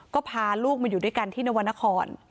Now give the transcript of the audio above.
ก็พาลูกมาอยู่ด้วยกันที่นวรรณคร